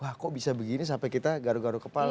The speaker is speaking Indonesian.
wah kok bisa begini sampai kita garuk garuk kepala